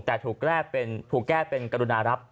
แต่ถูกแก้เป็นกรุณารับ